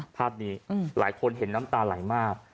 ภาพนี้หลายคนเห็นน้ำตาไหลมาก